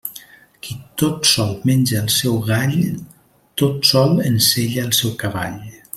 Qui tot sol menja el seu gall, tot sol ensella el seu cavall.